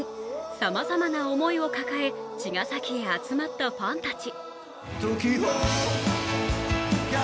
さまざまな思いを抱え茅ヶ崎へ集まったファンたち。